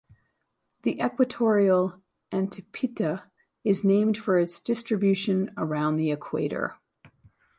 The Equatorial antpitta is named for its distribution around the Equator.